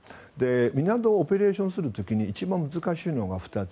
港をオペレーションする時に一番難しいのは２つ。